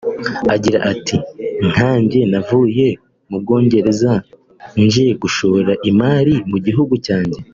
agira ati “Nkanjye navuye mu Bwongereza nje gushora imari mu gihugu cyanjye